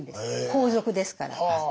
皇族ですから。